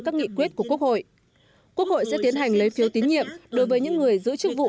các nghị quyết của quốc hội quốc hội sẽ tiến hành lấy phiếu tín nhiệm đối với những người giữ chức vụ